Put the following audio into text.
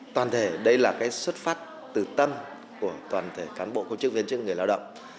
toàn thể đây là xuất phát từ tâm của toàn thể cán bộ công chức viên chức người lao động